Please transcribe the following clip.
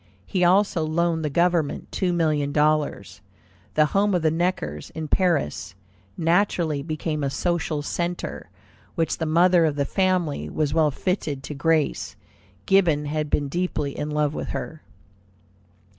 He also loaned the government two million dollars. The home of the Neckers, in Paris, naturally became a social centre, which the mother of the family was well fitted to grace. Gibbon had been deeply in love with her.